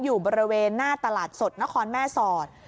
อยู่บริเวณหน้าตลาดสดนครแม่สอด